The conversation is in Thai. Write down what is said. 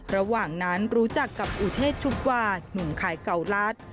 ระหว่างนั้นรู้จักกับอุเทศชุบวานุ่มขายเก่ารัฐ